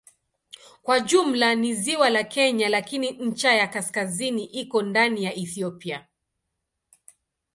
Kwa jumla ni ziwa la Kenya lakini ncha ya kaskazini iko ndani ya Ethiopia.